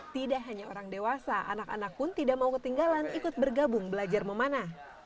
tidak hanya orang dewasa anak anak pun tidak mau ketinggalan ikut bergabung belajar memanah